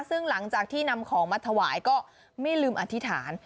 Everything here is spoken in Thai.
ซึ่งหลังจากที่นำของมาถวายก็ไม่ลืมอธิษฐาน